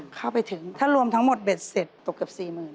เข้าไปถึงถ้ารวมทั้งหมดเบ็ดเสร็จตกเกือบ๔๐๐๐